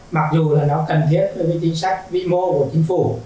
mặc dù là nó cần thiết với chính sách vi mô của chính phủ